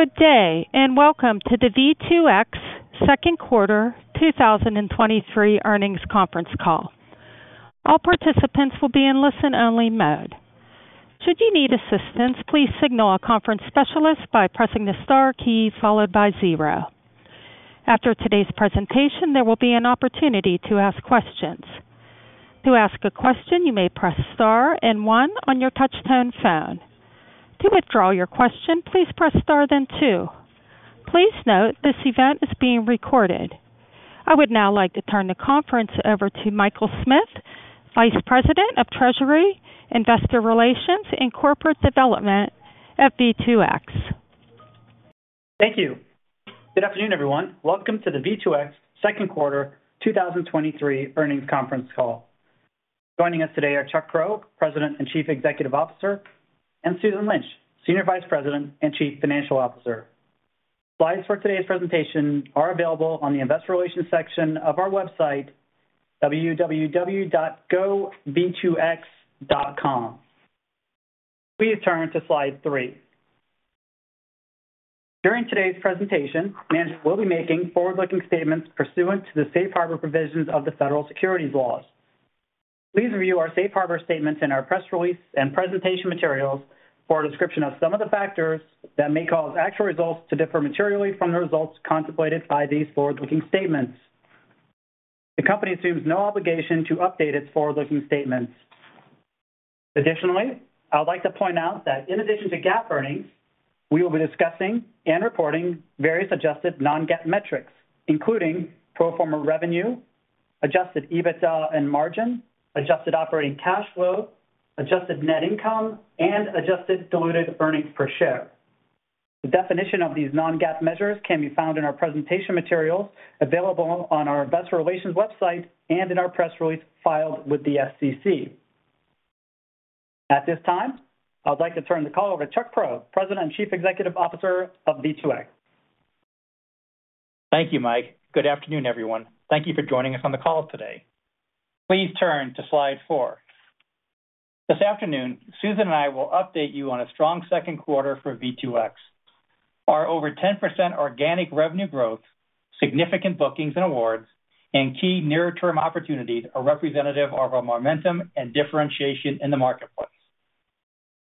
Good day, and welcome to the V2X second quarter 2023 earnings conference call. All participants will be in listen-only mode. Should you need assistance, please signal a conference specialist by pressing the star key followed by zero. After today's presentation, there will be an opportunity to ask questions. To ask a question, you may press star and one on your touchtone phone. To withdraw your question, please press star, then two. Please note, this event is being recorded. I would now like to turn the conference over to Michael Smith, Vice President of Treasury, Investor Relations, and Corporate Development at V2X. Thank you. Good afternoon, everyone. Welcome to the V2X second quarter 2023 earnings conference call. Joining us today are Chuck Prow, President and Chief Executive Officer, and Susan Lynch, Senior Vice President and Chief Financial Officer. Slides for today's presentation are available on the Investor Relations section of our website, www.gov2x.com. Please turn to slide three. During today's presentation, management will be making forward-looking statements pursuant to the safe harbor provisions of the federal securities laws. Please review our safe harbor statements in our press release and presentation materials for a description of some of the factors that may cause actual results to differ materially from the results contemplated by these forward-looking statements. The company assumes no obligation to update its forward-looking statements. Additionally, I would like to point out that in addition to GAAP earnings, we will be discussing and reporting various adjusted non-GAAP metrics, including pro forma revenue, adjusted EBITDA and margin, adjusted operating cash flow, adjusted net income, and adjusted diluted earnings per share. The definition of these non-GAAP measures can be found in our presentation materials available on our investor relations website and in our press release filed with the SEC. At this time, I would like to turn the call over to Chuck Prow, President and Chief Executive Officer of V2X. Thank you, Mike. Good afternoon, everyone. Thank you for joining us on the call today. Please turn to slide four. This afternoon, Susan and I will update you on a strong second quarter for V2X. Our over 10% organic revenue growth, significant bookings and awards, and key near-term opportunities are representative of our momentum and differentiation in the marketplace.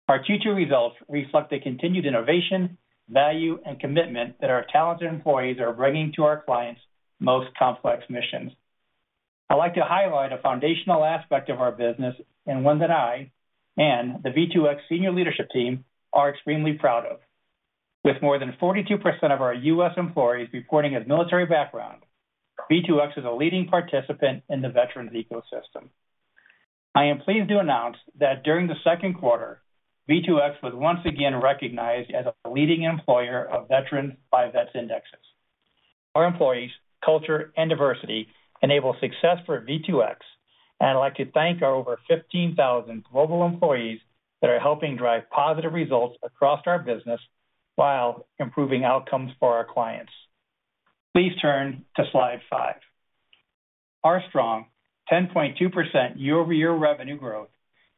Our Q2 results reflect the continued innovation, value, and commitment that our talented employees are bringing to our clients' most complex missions. I'd like to highlight a foundational aspect of our business and one that I and the V2X senior leadership team are extremely proud of. With more than 42% of our U.S. employees reporting a military background, V2X is a leading participant in the veterans ecosystem. I am pleased to announce that during the second quarter, V2X was once again recognized as a leading employer of veterans by VETS Indexes. Our employees, culture, and diversity enable success for V2X, and I'd like to thank our over 15,000 global employees that are helping drive positive results across our business while improving outcomes for our clients. Please turn to slide five. Our strong 10.2% year-over-year revenue growth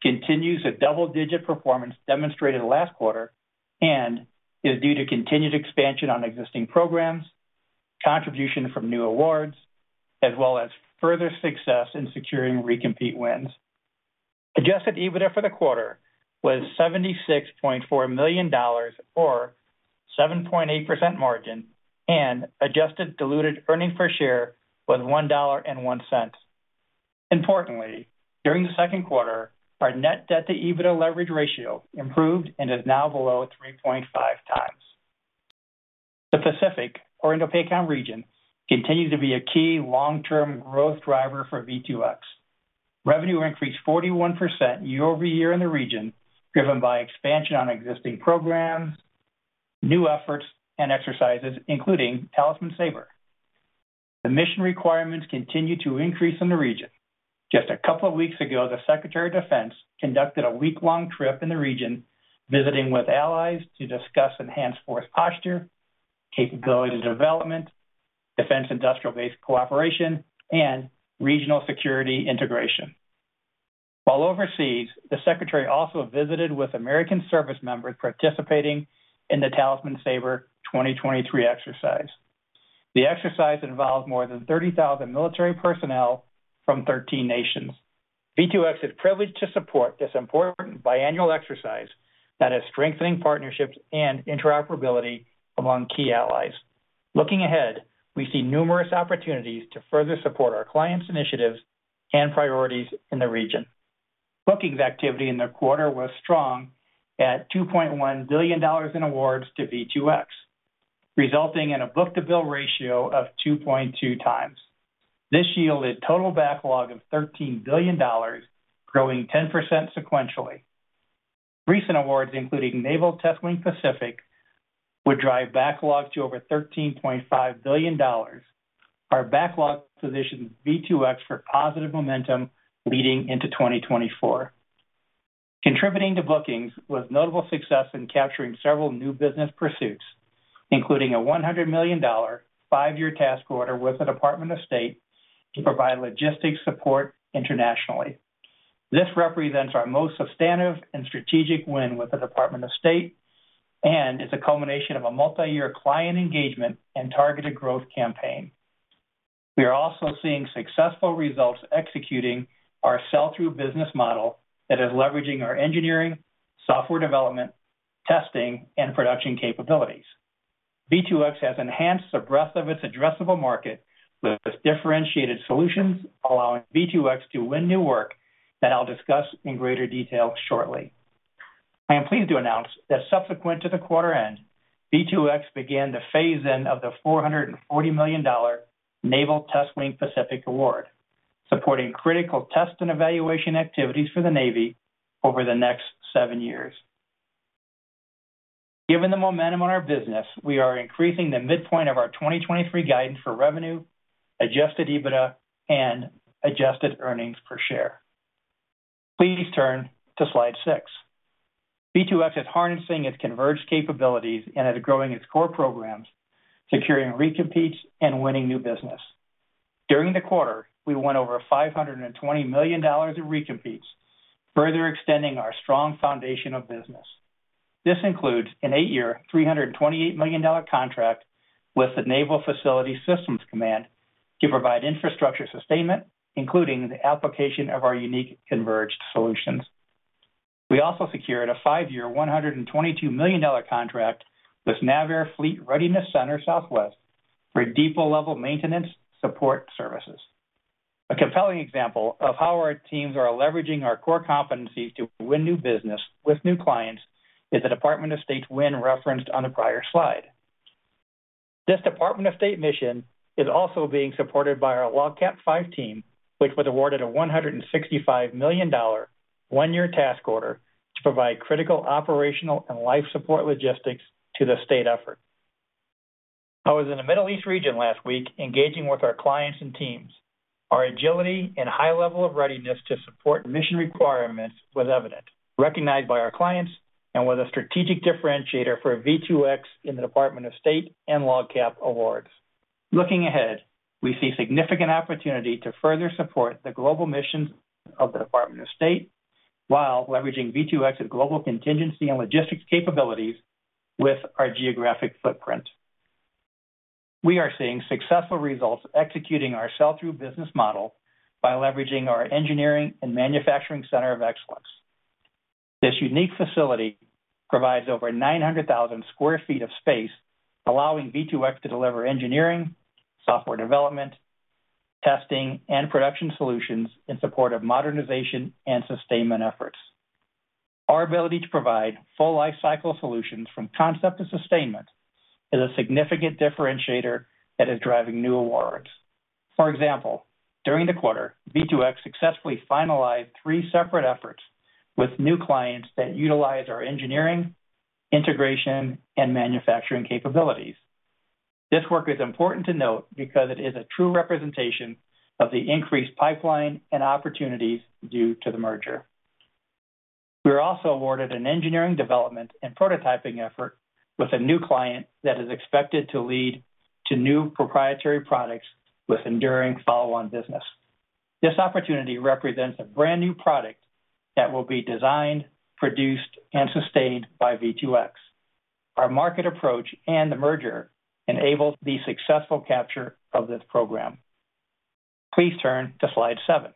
continues the double-digit performance demonstrated last quarter and is due to continued expansion on existing programs, contribution from new awards, as well as further success in securing recompete wins. Adjusted EBITDA for the quarter was $76.4 million or 7.8% margin, and adjusted diluted earnings per share was $1.01. Importantly, during the second quarter, our net debt to EBITDA leverage ratio improved and is now below 3.5x. The Pacific or Indo-Pac region continues to be a key long-term growth driver for V2X. Revenue increased 41% year-over-year in the region, driven by expansion on existing programs, new efforts, and exercises, including Talisman Sabre. The mission requirements continue to increase in the region. Just a couple of weeks ago, the Secretary of Defense conducted a week-long trip in the region, visiting with allies to discuss enhanced force posture, capability development, defense industrial base cooperation, and regional security integration. While overseas, the secretary also visited with American service members participating in the Talisman Sabre 2023 exercise. The exercise involved more than 30,000 military personnel from 13 nations. V2X is privileged to support this important biannual exercise that is strengthening partnerships and interoperability among key allies. Looking ahead, we see numerous opportunities to further support our clients' initiatives and priorities in the region. Bookings activity in the quarter was strong at $2.1 billion in awards to V2X, resulting in a book-to-bill ratio of 2.2x. This yielded total backlog of $13 billion, growing 10% sequentially. Recent awards, including Naval Test Wing Pacific, would drive backlog to over $13.5 billion. Our backlog positions V2X for positive momentum leading into 2024. Contributing to bookings was notable success in capturing several new business pursuits, including a $100 million 5-year task order with the Department of State to provide logistics support internationally. This represents our most substantive and strategic win with the Department of State, and it's a culmination of a multi-year client engagement and targeted growth campaign. We are also seeing successful results executing our sell-through business model that is leveraging our engineering, software development, testing, and production capabilities. V2X has enhanced the breadth of its addressable market with differentiated solutions, allowing V2X to win new work that I'll discuss in greater detail shortly. I am pleased to announce that subsequent to the quarter end, V2X began the phase-in of the $440 million Naval Test Wing Pacific award, supporting critical test and evaluation activities for the Navy over the next 7 years. Given the momentum on our business, we are increasing the midpoint of our 2023 guidance for revenue, adjusted EBITDA, and adjusted earnings per share. Please turn to slide six. V2X is harnessing its Converged capabilities and is growing its core programs, securing recompetes, and winning new business. During the quarter, we won over $520 million in recompetes, further extending our strong foundation of business. This includes an 8-year, $328 million contract with the Naval Facility Systems Command to provide infrastructure sustainment, including the application of our unique Converged solutions. We also secured a 5-year, $122 million contract with NAVAIR Fleet Readiness Center Southwest for depot-level maintenance support services. A compelling example of how our teams are leveraging our core competencies to win new business with new clients is the Department of State's win referenced on the prior slide. This Department of State mission is also being supported by our LOGCAP V team, which was awarded a $165 million 1-year task order to provide critical operational and life support logistics to the State effort. I was in the Middle East region last week, engaging with our clients and teams. Our agility and high level of readiness to support mission requirements was evident, recognized by our clients, and was a strategic differentiator for V2X in the Department of State and LOGCAP awards. Looking ahead, we see significant opportunity to further support the global missions of the Department of State, while leveraging V2X's global contingency and logistics capabilities with our geographic footprint. We are seeing successful results executing our sell-through business model by leveraging our engineering and manufacturing center of excellence. This unique facility provides over 900,000 sq ft of space, allowing V2X to deliver engineering, software development, testing, and production solutions in support of modernization and sustainment efforts. Our ability to provide full lifecycle solutions from concept to sustainment is a significant differentiator that is driving new awards. For example, during the quarter, V2X successfully finalized three separate efforts with new clients that utilize our engineering, integration, and manufacturing capabilities. This work is important to note because it is a true representation of the increased pipeline and opportunities due to the merger. We were also awarded an engineering development and prototyping effort with a new client that is expected to lead to new proprietary products with enduring follow-on business. This opportunity represents a brand-new product that will be designed, produced, and sustained by V2X. Our market approach and the merger enabled the successful capture of this program. Please turn to slide seven.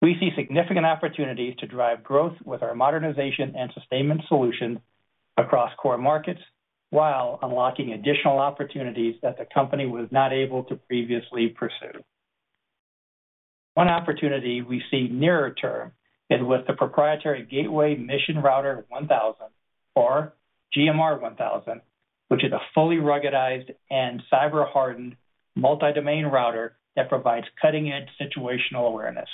We see significant opportunities to drive growth with our modernization and sustainment solutions across core markets, while unlocking additional opportunities that the company was not able to previously pursue. One opportunity we see nearer term is with the proprietary Gateway Mission Router 1000, or GMR-1000, which is a fully ruggedized and cyber-hardened multi-domain router that provides cutting-edge situational awareness.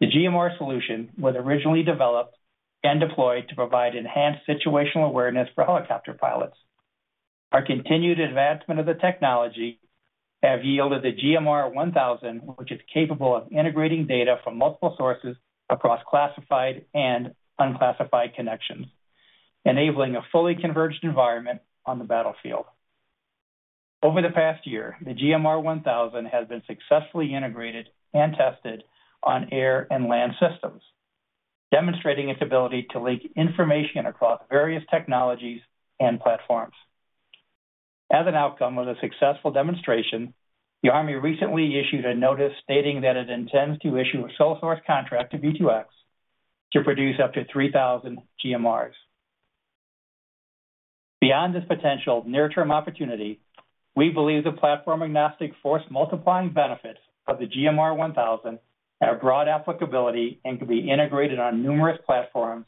The GMR-1000 solution was originally developed and deployed to provide enhanced situational awareness for helicopter pilots. Our continued advancement of the technology have yielded the GMR-1000, which is capable of integrating data from multiple sources across classified and unclassified connections, enabling a fully converged environment on the battlefield. Over the past year, the GMR-1000 has been successfully integrated and tested on air and land systems, demonstrating its ability to link information across various technologies and platforms. As an outcome of the successful demonstration, the Army recently issued a notice stating that it intends to issue a sole source contract to V2X to produce up to 3,000 GMRs. Beyond this potential near-term opportunity, we believe the platform-agnostic force multiplying benefits of the GMR-1000 have broad applicability and can be integrated on numerous platforms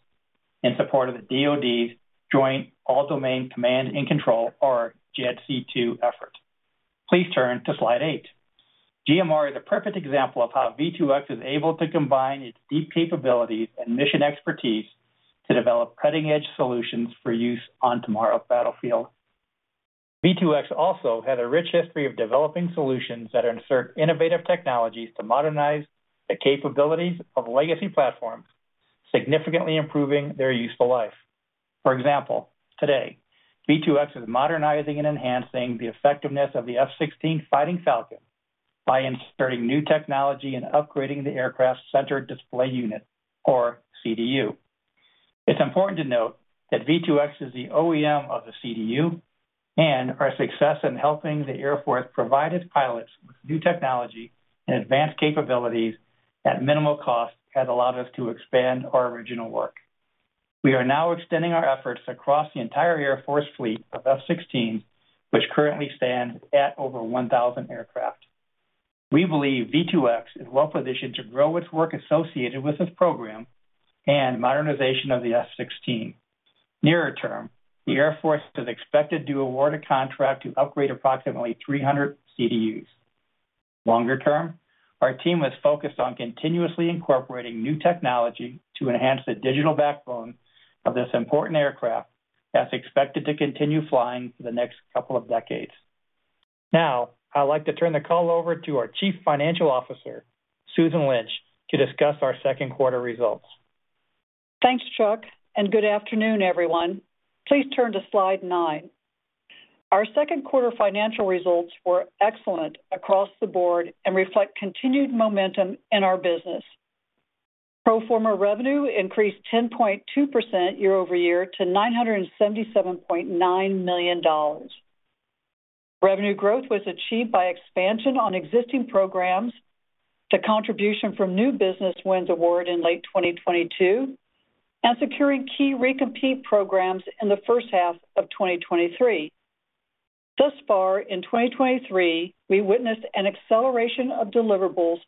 in support of the DoD's Joint All-Domain Command and Control, or JADC2, effort. Please turn to slide eight. GMR is a perfect example of how V2X is able to combine its deep capabilities and mission expertise to develop cutting-edge solutions for use on tomorrow's battlefield. V2X also has a rich history of developing solutions that insert innovative technologies to modernize the capabilities of legacy platforms, significantly improving their useful life. For example, today, V2X is modernizing and enhancing the effectiveness of the F-16 Fighting Falcon by inserting new technology and upgrading the aircraft's Center Display Unit or CDU. It's important to note that V2X is the OEM of the CDU. Our success in helping the Air Force provide its pilots with new technology and advanced capabilities at minimal cost has allowed us to expand our original work. We are now extending our efforts across the entire Air Force fleet of F-16, which currently stands at over 1,000 aircraft. We believe V2X is well-positioned to grow its work associated with this program and modernization of the F-16. Nearer term, the Air Force is expected to award a contract to upgrade approximately 300 CDUs. Longer term, our team is focused on continuously incorporating new technology to enhance the digital backbone of this important aircraft, as expected to continue flying for the next couple of decades. I'd like to turn the call over to our Chief Financial Officer, Susan Lynch, to discuss our second quarter results. Thanks, Chuck, and good afternoon, everyone. Please turn to slide nine. Our second quarter financial results were excellent across the board and reflect continued momentum in our business. Pro forma revenue increased 10.2% year-over-year to $977.9 million. Revenue growth was achieved by expansion on existing programs to contribution from new business wins award in late 2022, and securing key recompete programs in the first half of 2023. Thus far, in 2023, we witnessed an acceleration of deliverables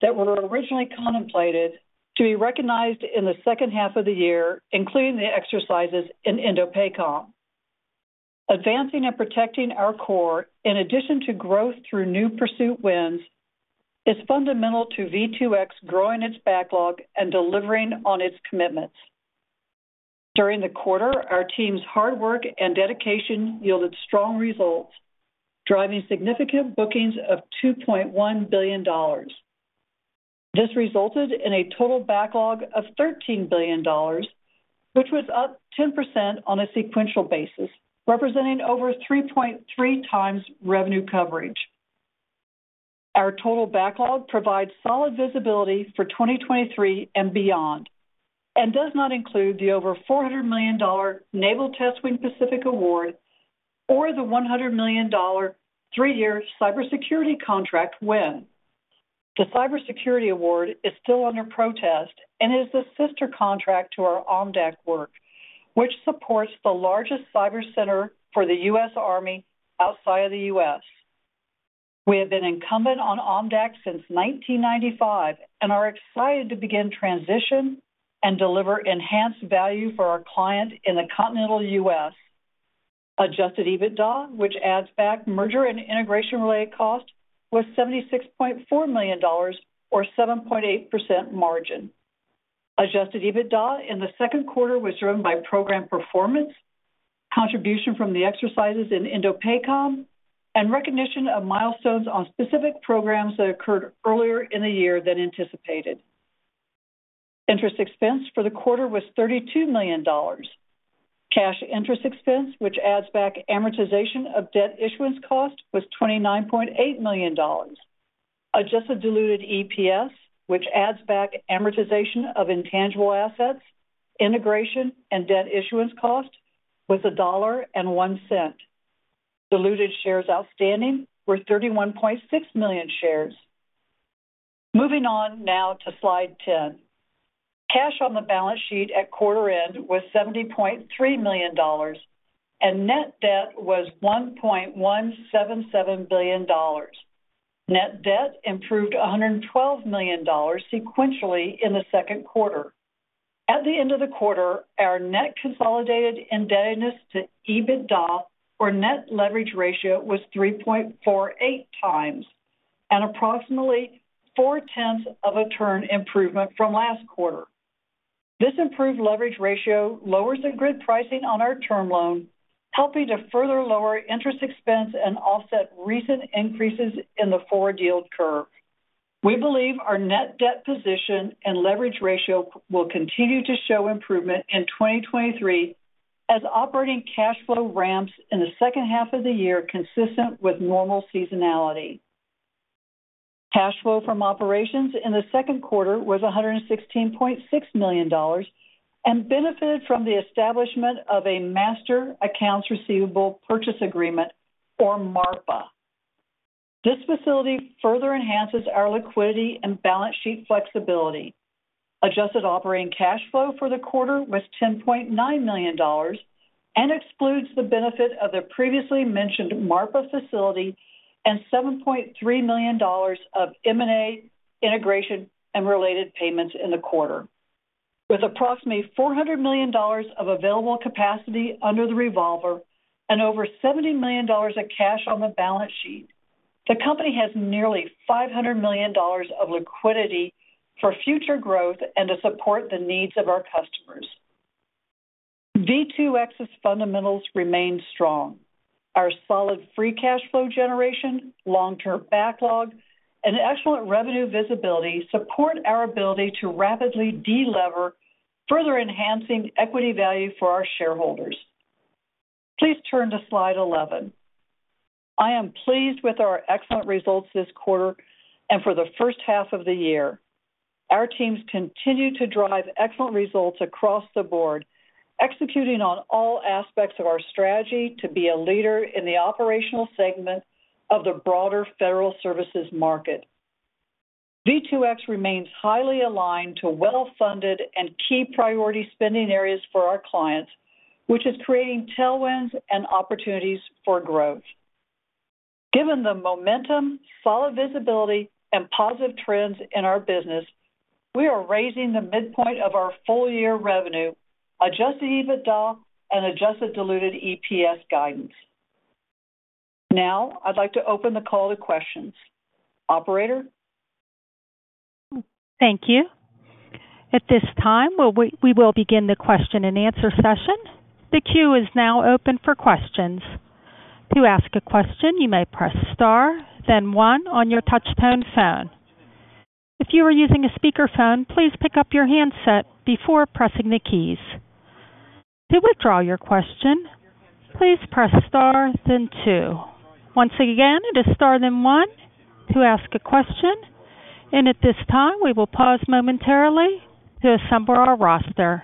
that were originally contemplated to be recognized in the second half of the year, including the exercises in INDOPACOM. Advancing and protecting our core, in addition to growth through new pursuit wins, is fundamental to V2X growing its backlog and delivering on its commitments. During the quarter, our team's hard work and dedication yielded strong results, driving significant bookings of $2.1 billion. This resulted in a total backlog of $13 billion, which was up 10% on a sequential basis, representing over 3.3x revenue coverage. Our total backlog provides solid visibility for 2023 and beyond, does not include the over $400 million Naval Test Wing Pacific award, or the $100 million 3-year cybersecurity contract win. The cybersecurity award is still under protest and is the sister contract to our OMDAC work, which supports the largest cyber center for the U.S. Army outside of the U.S. We have been incumbent on OMDAC since 1995 and are excited to begin transition and deliver enhanced value for our client in the continental U.S. Adjusted EBITDA, which adds back merger and integration-related costs, was $76.4 million, or 7.8% margin. Adjusted EBITDA in the second quarter was driven by program performance, contribution from the exercises in INDOPACOM, and recognition of milestones on specific programs that occurred earlier in the year than anticipated. Interest expense for the quarter was $32 million. Cash interest expense, which adds back amortization of debt issuance cost, was $29.8 million. Adjusted diluted EPS, which adds back amortization of intangible assets, integration, and debt issuance cost, was $1.01. Diluted shares outstanding were 31.6 million shares. Moving on now to slide 10. Cash on the balance sheet at quarter end was $70.3 million, and net debt was $1.177 billion. Net debt improved $112 million sequentially in the second quarter. At the end of the quarter, our net consolidated indebtedness to EBITDA, or net leverage ratio, was 3.48x and approximately four-tenths of a turn improvement from last quarter. This improved leverage ratio lowers the grid pricing on our term loan, helping to further lower interest expense and offset recent increases in the forward yield curve. We believe our net debt position and leverage ratio will continue to show improvement in 2023 as operating cash flow ramps in the second half of the year, consistent with normal seasonality. Cash flow from operations in the second quarter was $116.6 million and benefited from the establishment of a Master Accounts Receivable Purchase Agreement, or MARPA. This facility further enhances our liquidity and balance sheet flexibility. Adjusted operating cash flow for the quarter was $10.9 million and excludes the benefit of the previously mentioned MARPA facility and $7.3 million of M&A integration and related payments in the quarter. With approximately $400 million of available capacity under the revolver and over $70 million of cash on the balance sheet, the company has nearly $500 million of liquidity for future growth and to support the needs of our customers. V2X's fundamentals remain strong. Our solid free cash flow generation, long-term backlog, and excellent revenue visibility support our ability to rapidly delever, further enhancing equity value for our shareholders. Please turn to slide 11. I am pleased with our excellent results this quarter and for the first half of the year. Our teams continue to drive excellent results across the board, executing on all aspects of our strategy to be a leader in the operational segment of the broader federal services market. V2X remains highly aligned to well-funded and key priority spending areas for our clients, which is creating tailwinds and opportunities for growth. Given the momentum, solid visibility, and positive trends in our business, we are raising the midpoint of our full-year revenue, adjusted EBITDA, and adjusted diluted EPS guidance. Now, I'd like to open the call to questions. Operator? Thank you. At this time, we will begin the question-and-answer session. The queue is now open for questions. To ask a question, you may press star, then star on your touchtone phone. If you are using a speakerphone, please pick up your handset before pressing the keys. To withdraw your question, please press star, then two. Once again, it is star, then one to ask a question, and at this time, we will pause momentarily to assemble our roster.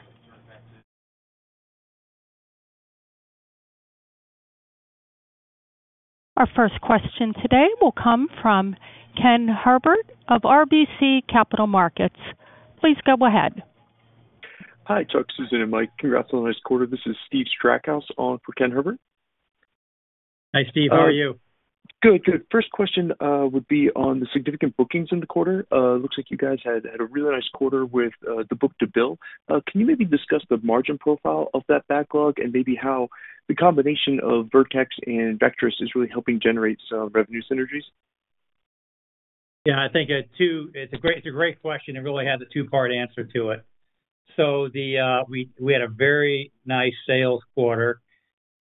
Our first question today will come from Ken Herbert of RBC Capital Markets. Please go ahead. Hi, Chuck, Susan, and Mike. Congrats on the nice quarter. This is Steve Strackhouse on for Ken Herbert. Hi, Steve. How are you? Good, good. First question would be on the significant bookings in the quarter. It looks like you guys had a really nice quarter with the book-to-bill. Can you maybe discuss the margin profile of that backlog and maybe how the combination of Vertex and Vectrus is really helping generate some revenue synergies? Yeah, I think it's a great, it's a great question, and really has a two-part answer to it. The, we, we had a very nice sales quarter,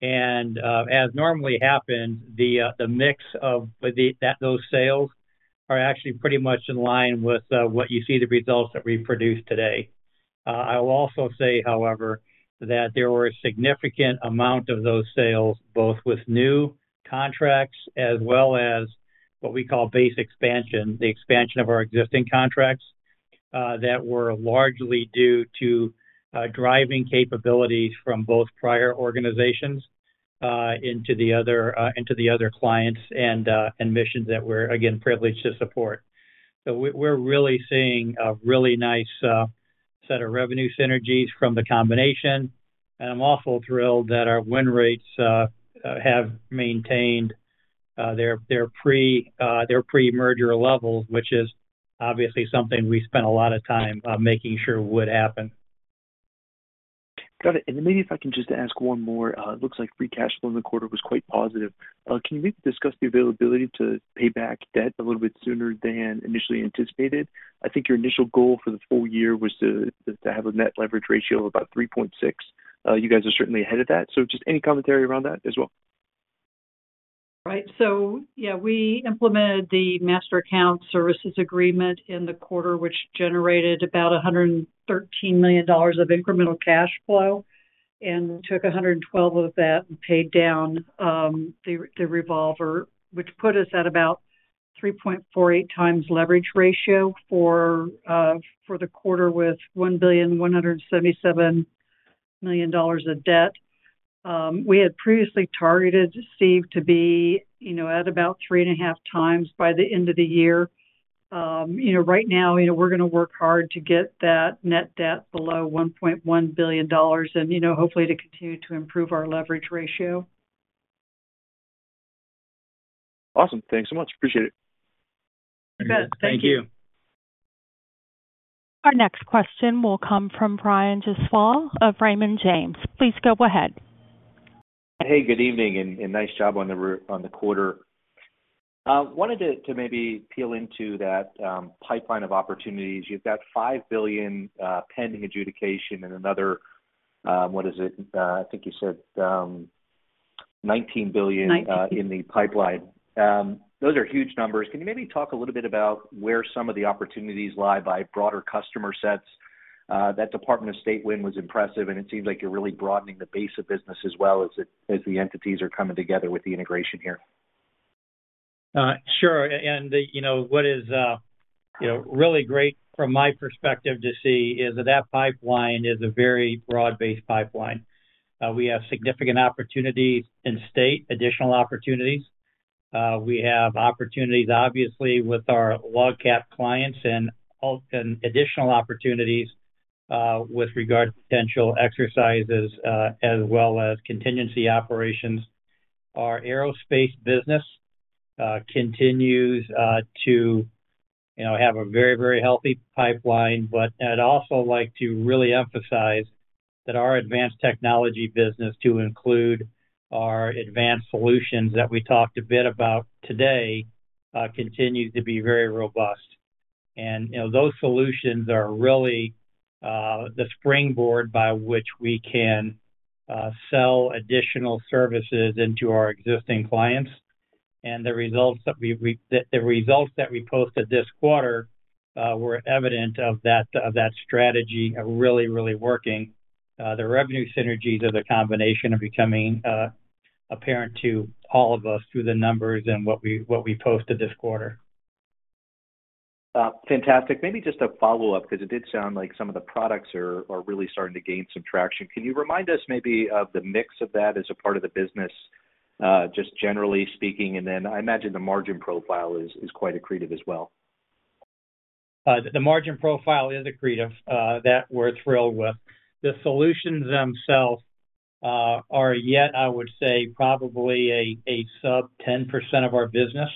and as normally happens, the mix of the, that, those sales are actually pretty much in line with what you see the results that we produced today. I will also say, however, that there were a significant amount of those sales, both with new contracts as well as what we call base expansion, the expansion of our existing contracts, that were largely due to driving capabilities from both prior organizations into the other into the other clients and missions that we're again, privileged to support. We, we're really seeing a really nice set of revenue synergies from the combination. I'm also thrilled that our win rates have maintained their, their pre, their pre-merger levels, which is obviously something we spent a lot of time making sure would happen. Got it. Then maybe if I can just ask one more. It looks like free cash flow in the quarter was quite positive. Can you maybe discuss the availability to pay back debt a little bit sooner than initially anticipated? I think your initial goal for the full year was to have a net leverage ratio of about 3.6. You guys are certainly ahead of that, so just any commentary around that as well. Yeah, we implemented the Master Account Services Agreement in the quarter, which generated about $113 million of incremental cash flow and took $112 of that and paid down the revolver, which put us at about 3.48x leverage ratio for the quarter with $1.177 billion of debt. We had previously targeted, Steve, to be, you know, at about 3.5x by the end of the year. You know, right now, you know, we're gonna work hard to get that net debt below $1.1 billion and, you know, hopefully to continue to improve our leverage ratio. Awesome. Thanks so much. Appreciate it. You bet. Thank you. Thank you. Our next question will come from Brian Gesuale of Raymond James. Please go ahead. Hey, good evening, and, and nice job on the, on the quarter. Wanted to, to maybe peel into that pipeline of opportunities. You've got $5 billion, pending adjudication and another, what is it? I think you said, $19 billion- Nineteen. ...In the pipeline. Those are huge numbers. Can you maybe talk a little bit about where some of the opportunities lie by broader customer sets? That Department of State win was impressive. It seems like you're really broadening the base of business as well as the, as the entities are coming together with the integration here. Sure. The, you know, what is, you know, really great from my perspective to see is that that pipeline is a very broad-based pipeline. We have significant opportunities in State, additional opportunities. We have opportunities, obviously, with our LOGCAP clients and additional opportunities, with regard to potential exercises, as well as contingency operations. Our aerospace business, continues, to, you know, have a very, very healthy pipeline. I'd also like to really emphasize that our advanced technology business, to include our advanced solutions that we talked a bit about today, continues to be very robust. You know, those solutions are really, the springboard by which we can, sell additional services into our existing clients. The results that we posted this quarter were evident of that, of that strategy are really, really working. The revenue synergies of the combination are becoming apparent to all of us through the numbers and what we, what we posted this quarter. Fantastic. Maybe just a follow-up, because it did sound like some of the products are, are really starting to gain some traction. Can you remind us maybe of the mix of that as a part of the business, just generally speaking? Then I imagine the margin profile is, is quite accretive as well. The margin profile is accretive that we're thrilled with. The solutions themselves are yet, I would say, probably a, a sub 10% of our business,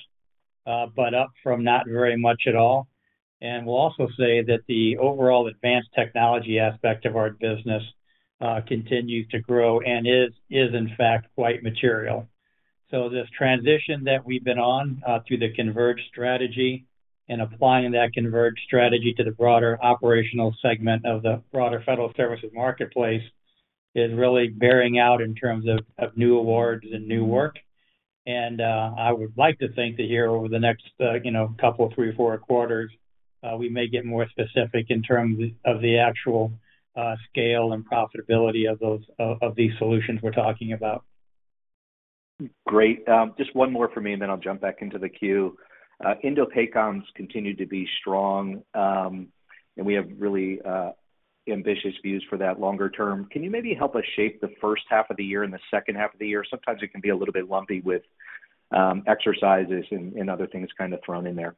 but up from not very much at all. We'll also say that the overall advanced technology aspect of our business continues to grow and is, is in fact, quite material. This transition that we've been on through the Converge strategy and applying that Converge strategy to the broader operational segment of the broader federal services marketplace, is really bearing out in terms of, of new awards and new work. I would like to think that here over the next, you know, couple, three or four quarters, we may get more specific in terms of, of the actual scale and profitability of those, of, of these solutions we're talking about. Great. Just one more for me and then I'll jump back into the queue. INDOPACOM's continued to be strong, and we have really ambitious views for that longer term. Can you maybe help us shape the first half of the year and the second half of the year? Sometimes it can be a little bit lumpy with exercises and other things kind of thrown in there.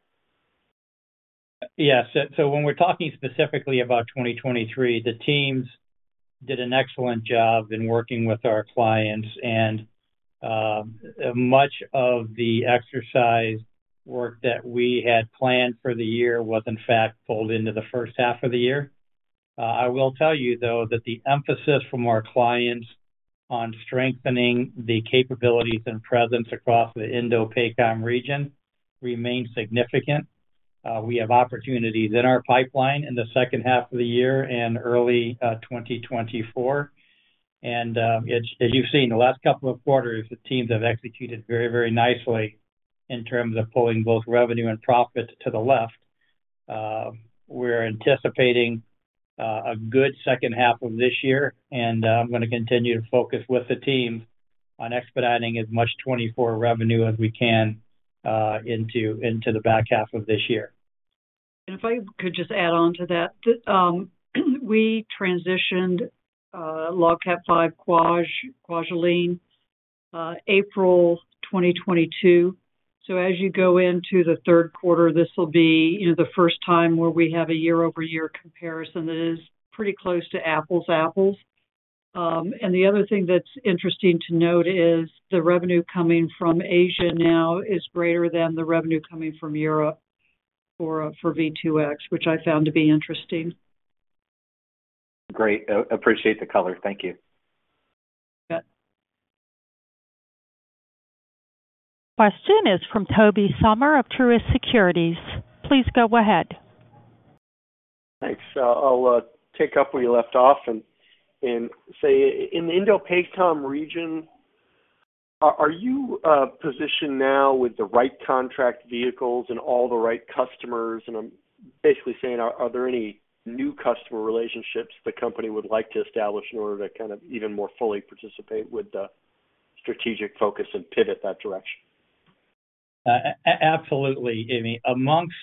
Yes. When we're talking specifically about 2023, the teams did an excellent job in working with our clients, and much of the exercise work that we had planned for the year was in fact, pulled into the first half of the year. I will tell you, though, that the emphasis from our clients on strengthening the capabilities and presence across the INDOPACOM region remains significant. We have opportunities in our pipeline in the second half of the year and early, 2024. As, as you've seen in the last couple of quarters, the teams have executed very, very nicely in terms of pulling both revenue and profit to the left. We're anticipating a good second half of this year, and I'm going to continue to focus with the team on expediting as much 2024 revenue as we can into the back half of this year. If I could just add on to that. We transitioned LOGCAP V Kwaj, Kwajalein, April 2022. As you go into the third quarter, this will be, you know, the first time where we have a year-over-year comparison that is pretty close to apples to apples. The other thing that's interesting to note is the revenue coming from Asia now is greater than the revenue coming from Europe for V2X, which I found to be interesting. Great. Appreciate the color. Thank you. Yeah. Question is from Tobey Sommer of Truist Securities. Please go ahead. Thanks. I'll pick up where you left off and, and say: in the INDOPACOM region, are, are you, positioned now with the right contract vehicles and all the right customers? I'm basically saying, are, are there any new customer relationships the company would like to establish in order to kind of even more fully participate with the strategic focus and pivot that direction? Absolutely, I mean, amongst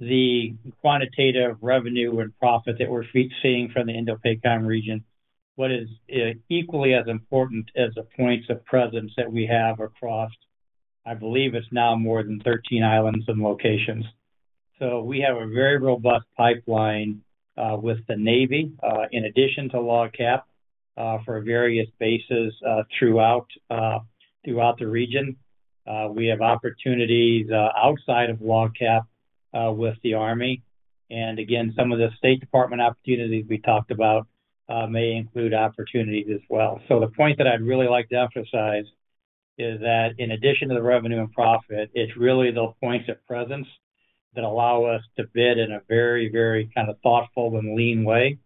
the quantitative revenue and profit that we're seeing from the INDOPACOM region, what is equally as important as the points of presence that we have across, I believe it's now more than 13 islands and locations. We have a very robust pipeline with the Navy, in addition to LOGCAP, for various bases throughout the region. We have opportunities outside of LOGCAP with the Army. Again, some of the State Department opportunities we talked about may include opportunities as well. The point that I'd really like to emphasize is that in addition to the revenue and profit, it's really the points of presence that allow us to bid in a very, very kind of thoughtful and lean way,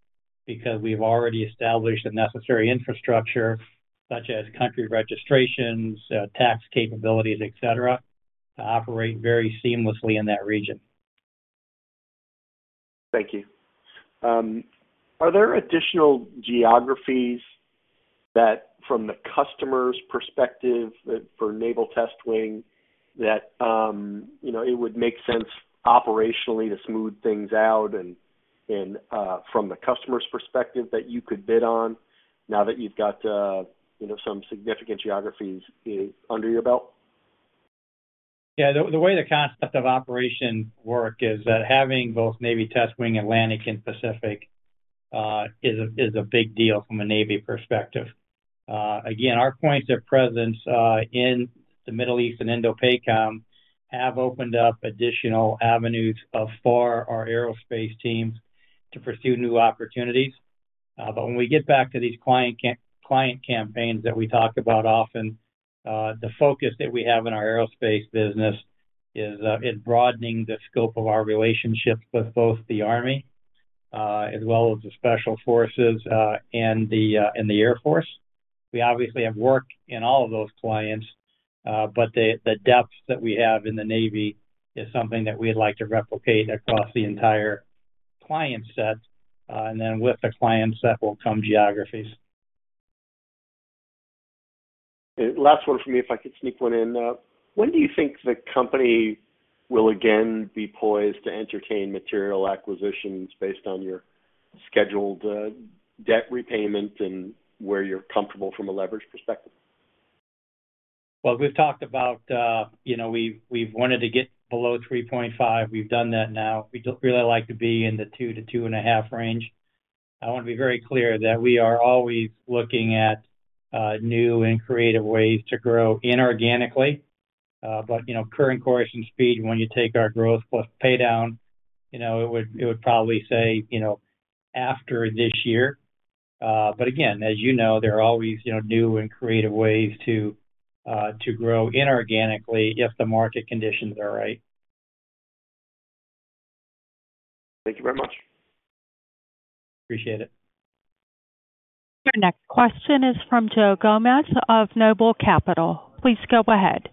because we've already established the necessary infrastructure, such as country registrations, tax capabilities, et cetera, to operate very seamlessly in that region. Thank you. Are there additional geographies that, from the customer's perspective, for Naval Test Wing, that, you know, it would make sense operationally to smooth things out and, and, from the customer's perspective, that you could bid on now that you've got, you know, some significant geographies, under your belt? Yeah. The way the concept of operation work is that having both Naval Test Wing Atlantic and Pacific is a big deal from a Navy perspective. Again, our points of presence in the Middle East and INDOPACOM have opened up additional avenues for our aerospace teams to pursue new opportunities. When we get back to these client campaigns that we talk about often, the focus that we have in our aerospace business is in broadening the scope of our relationships with both the army, as well as the special forces, and the Air Force. We obviously have work in all of those clients, but the depth that we have in the Navy is something that we'd like to replicate across the entire client set. Then with the client set will come geographies. Last one for me, if I could sneak one in. When do you think the company will again be poised to entertain material acquisitions based on your scheduled debt repayment and where you're comfortable from a leverage perspective? Well, we've talked about, you know, we've, we've wanted to get below 3.5. We've done that now. We'd really like to be in the 2-2.5 range. I want to be very clear that we are always looking at new and creative ways to grow inorganically. You know, current course and speed, when you take our growth plus pay down, you know, it would, it would probably say, you know, after this year. Again, as you know, there are always, you know, new and creative ways to grow inorganically if the market conditions are right. Thank you very much. Appreciate it. Your next question is from Joe Gomes of Noble Capital. Please go ahead.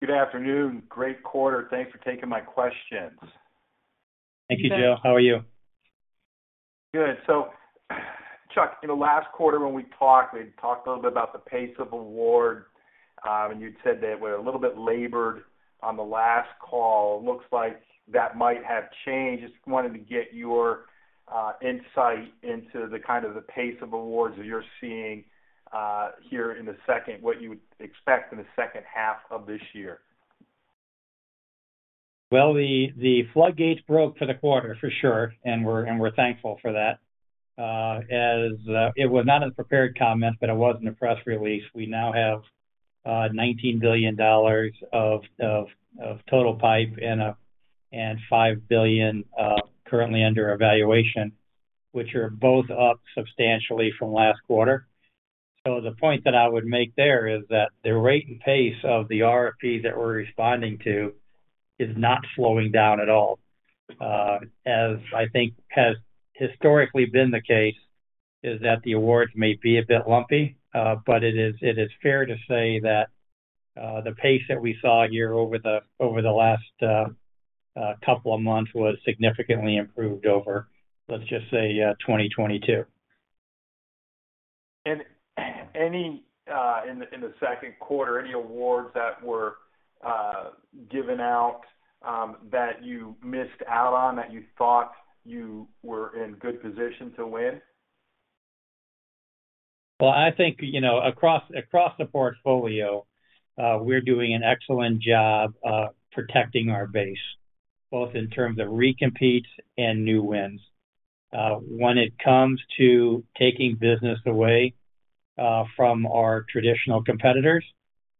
Good afternoon. Great quarter. Thanks for taking my questions. Thank you, Joe. How are you? Good. Chuck, in the last quarter, when we talked, we talked a little bit about the pace of award, and you'd said that we're a little bit labored on the last call. Looks like that might have changed. Just wanted to get your insight into the kind of the pace of awards that you're seeing here in the second half of this year. Well, the, the floodgates broke for the quarter, for sure, and we're, and we're thankful for that. As it was not in the prepared comments, but it was in the press release. We now have $19 billion total pipe and $5 billion currently under evaluation, which are both up substantially from last quarter. The point that I would make there is that the rate and pace of the RFPs that we're responding to is not slowing down at all. As I think has historically been the case, is that the awards may be a bit lumpy, but it is, it is fair to say that the pace that we saw here over the over the last couple of months was significantly improved over, let's just say, 2022. Any, in the, in the second quarter, any awards that were given out, that you missed out on, that you thought you were in good position to win? Well, I think, you know, across, across the portfolio, we're doing an excellent job of protecting our base, both in terms of recompetes and new wins. When it comes to taking business away from our traditional competitors,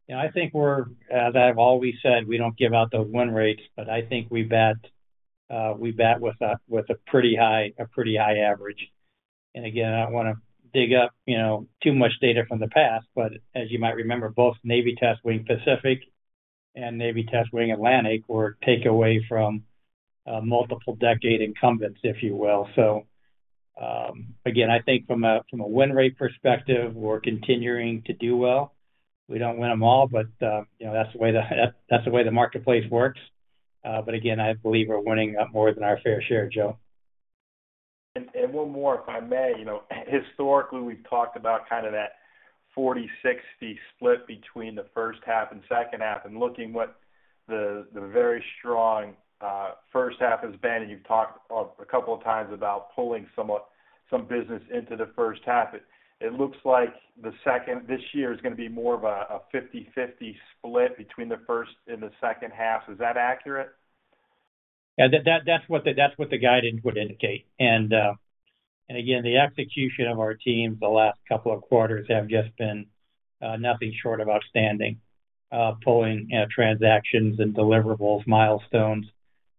and I think we're, as I've always said, we don't give out the win rates, but I think we bat, we bat with a, with a pretty high, a pretty high average. Again, I don't want to dig up, you know, too much data from the past, but as you might remember, both Navy Test Wing Pacific and Navy Test Wing Atlantic were take away from multiple-decade incumbents, if you will. Again, I think from a, from a win rate perspective, we're continuing to do well. We don't win them all, but, you know, that's the way the, that's the way the marketplace works. But again, I believe we're winning up more than our fair share, Joe. One more, if I may. You know, historically, we've talked about kind of that 40/60 split between the first half and second half, and looking what the, the very strong first half has been. You've talked a, a couple of times about pulling somewhat, some business into the first half. It, it looks like the second, this year is going to be more of a, a 50/50 split between the first and the second half. Is that accurate? Yeah, that's what the guidance would indicate. Again, the execution of our teams the last couple of quarters have just been nothing short of outstanding, pulling, you know, transactions and deliverables, milestones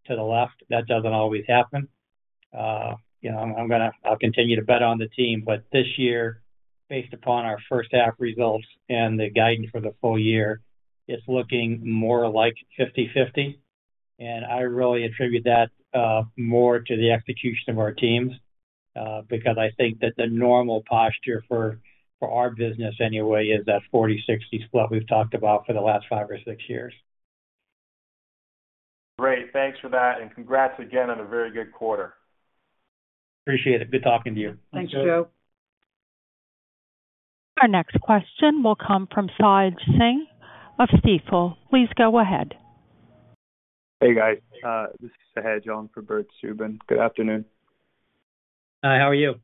to the left. That doesn't always happen. You know, I'll continue to bet on the team, but this year, based upon our first half results and the guidance for the full year, it's looking more like 50/50. I really attribute that more to the execution of our teams, because I think that the normal posture for, for our business anyway, is that 40/60 split we've talked about for the last five or six years. Great. Thanks for that. Congrats again on a very good quarter. Appreciate it. Good talking to you. Thanks, Joe. Our next question will come from Sahej Singh of Stifel. Please go ahead. Hey, guys, this is Sahej on for Bert Subin. Good afternoon. Hi, how are you?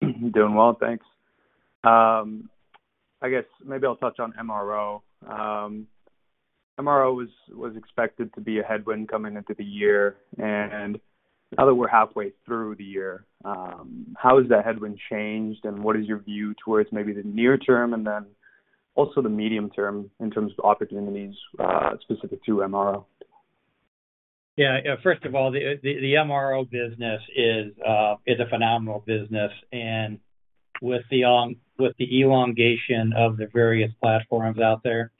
Doing well, thanks. I guess maybe I'll touch on MRO. MRO was, was expected to be a headwind coming into the year, and now that we're halfway through the year, how has that headwind changed? What is your view towards maybe the near term Also the medium term in terms of opportunities, specific to MRO? Yeah, yeah, first of all, the MRO business is a phenomenal business. With the elongation of the various platforms out there,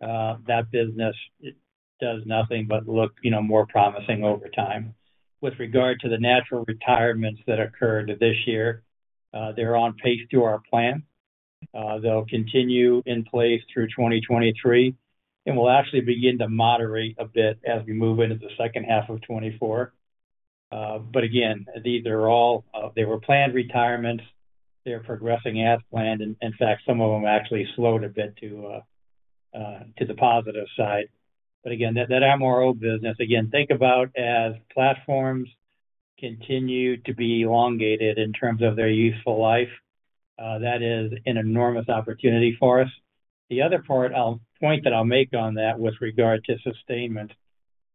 that business, it does nothing but look, you know, more promising over time. With regard to the natural retirements that occurred this year, they're on pace to our plan. They'll continue in place through 2023, and will actually begin to moderate a bit as we move into the second half of 2024. Again, these are all, they were planned retirements. They're progressing as planned, and, in fact, some of them actually slowed a bit to the positive side. Again, that, that MRO business, again, think about as platforms continue to be elongated in terms of their useful life, that is an enormous opportunity for us. The other part I'll point that I'll make on that with regard to sustainment,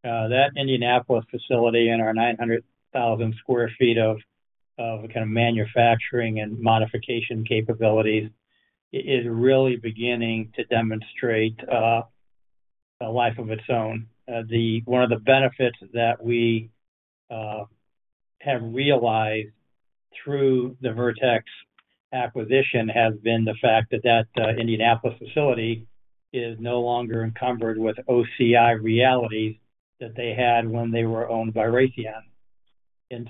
that Indianapolis facility and our 900,000 sq ft of, of kind of manufacturing and modification capabilities, is really beginning to demonstrate a life of its own. The one of the benefits that we have realized through the Vertex acquisition has been the fact that, that Indianapolis facility is no longer encumbered with OCI realities that they had when they were owned by Raytheon.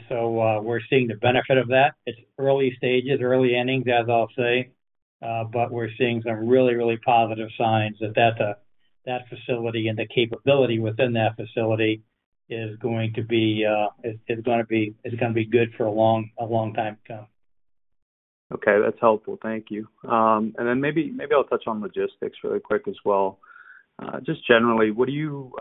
So, we're seeing the benefit of that. It's early stages, early innings, as I'll say, but we're seeing some really, really positive signs that, that facility and the capability within that facility is going to be, is gonna be good for a long, a long time to come. Okay. That's helpful. Thank you. Then maybe, maybe I'll touch on logistics really quick as well. Just generally, what do you,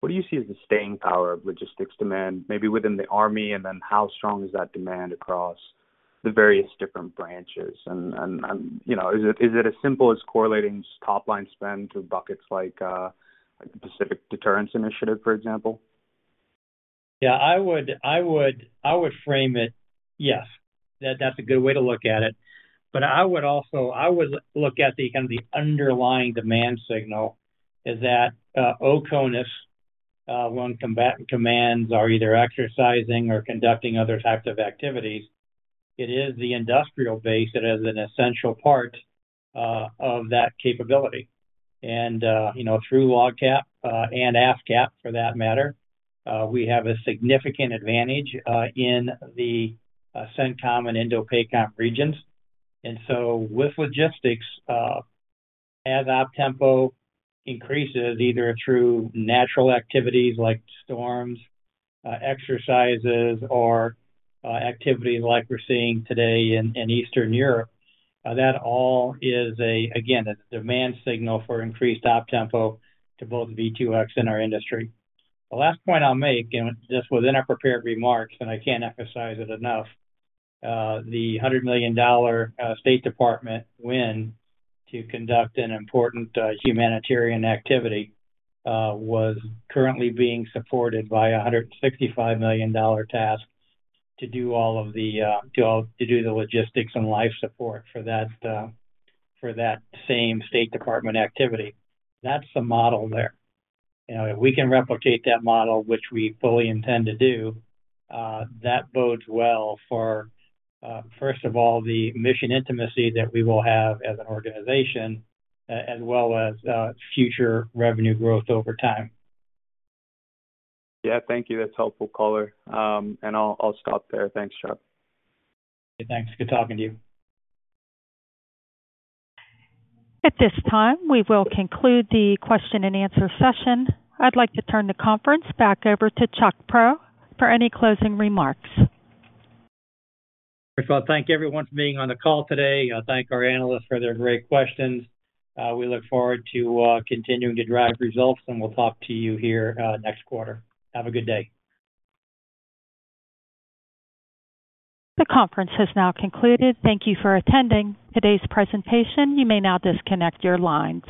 what do you see as the staying power of logistics demand, maybe within the Army, and then how strong is that demand across the various different branches? You know, is it, is it as simple as correlating top-line spend to buckets like, like the Pacific Deterrence Initiative, for example? Yeah, I would, I would, I would frame it. Yes, that's a good way to look at it. I would also I would look at the kind of the underlying demand signal, is that OCONUS, when combatant commands are either exercising or conducting other types of activities, it is the industrial base that is an essential part of that capability. You know, through LOGCAP and ASCAP, for that matter, we have a significant advantage in the CENTCOM and INDOPACOM regions. So with logistics, as op tempo increases, either through natural activities like storms, exercises, or activities like we're seeing today in Eastern Europe, that all is a, again, a demand signal for increased op tempo to both V2X and our industry. The last point I'll make. This was in our prepared remarks. I can't emphasize it enough. The $100 million State Department win to conduct an important humanitarian activity was currently being supported by a $165 million task to do all of the logistics and life support for that same State Department activity. That's the model there. You know, if we can replicate that model, which we fully intend to do, that bodes well for, first of all, the mission intimacy that we will have as an organization, as well as future revenue growth over time. Yeah. Thank you. That's helpful color. I'll, I'll stop there. Thanks, Chuck. Thanks. Good talking to you. At this time, we will conclude the question and answer session. I'd like to turn the conference back over to Chuck Prow for any closing remarks. First of all, thank everyone for being on the call today. I thank our analysts for their great questions. We look forward to continuing to drive results, and we'll talk to you here next quarter. Have a good day. The conference has now concluded. Thank you for attending today's presentation. You may now disconnect your lines.